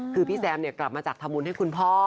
คือพี่แซมกลับมาจัดธรรมุนให้คุณพ่อ